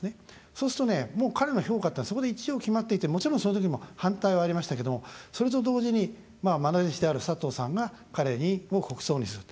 そうすると、もう彼の評価っていうのはそこで一応、決まっていてもちろん、そのときも反対はありましたけどもそれと同時に、まな弟子である佐藤さんが彼を国葬にする。